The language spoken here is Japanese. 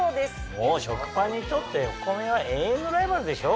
もう食パンにとってお米は永遠のライバルでしょう。